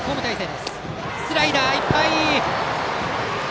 スライダー、いっぱい。